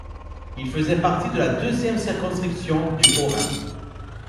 Il faisait partie de la deuxième circonscription du Haut-Rhin.